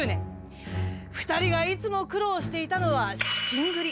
２人がいつも苦労していたのは資金繰り。